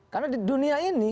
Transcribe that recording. karena di dunia ini